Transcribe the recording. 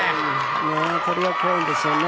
これが怖いんですよね。